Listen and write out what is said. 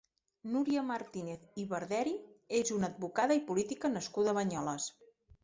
Núria Martínez i Barderi és una advocada i política nascuda a Banyoles.